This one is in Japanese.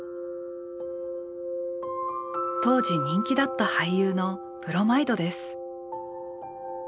当時人気だった俳優のブロマイドです。